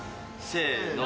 せの！